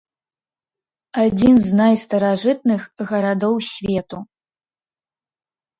Адзін з найстаражытных гарадоў свету.